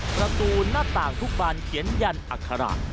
ประตูหน้าต่างทุกบานเขียนยันอัคระ